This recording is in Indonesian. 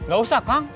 gak usah kang